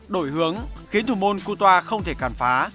đổi hướng khiến thủ môn kutoa không thể cản phá